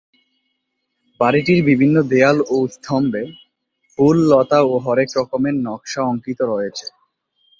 বাড়িটির বিভিন্ন দেয়াল ও স্তম্ভে ফুল, লতা ও হরেক রকমের নকশা অঙ্কিত রয়েছে।